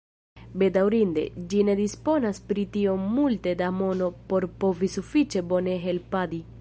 Bedaŭrinde, ĝi ne disponas pri tiom multe da mono por povi sufiĉe bone helpadi.